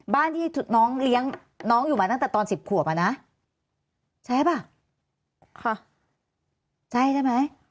บ้านที่น้องเลี้ยงน้องอยู่มาตั้งแต่ตอนสิบขวบอ่ะนะใช่ป่ะค่ะใช่ใช่ไหม